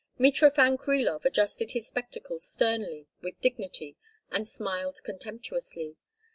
Mitrofan Krilov adjusted his spectacles sternly, with dignity, and smiled contemptuously.